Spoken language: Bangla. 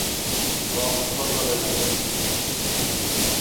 রক্ত চলে যাবে।